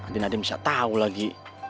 adi nadiem bisa tahu lagi